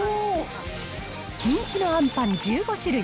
人気のあんパン１５種類